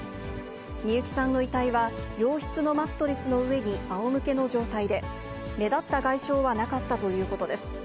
美友紀さんの遺体は、洋室のマットレスの上にあおむけの状態で、目立った外傷はなかったということです。